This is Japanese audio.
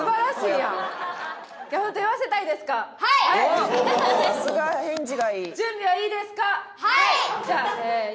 「おっさすが返事がいい！」